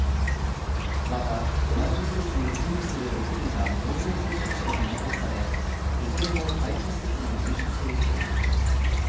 また、同じ施設に勤務する６人が濃厚接触者に認定されいずれも待機施設に入所しているということです。